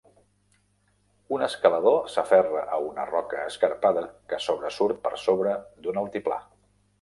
Un escalador s'aferra a una roca escarpada que sobresurt per sobre d'un altiplà.